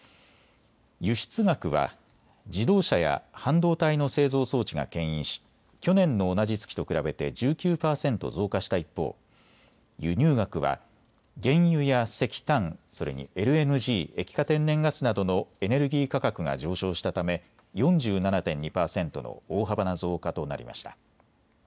輸出額は自動車や半導体の製造装置がけん引し去年の同じ月と比べて１９％増加した一方、輸入額は原油や石炭、それにＬＮＧ・液化天然ガスなどのエネルギー価格が上昇したため４７．２％の大幅な増加となりました。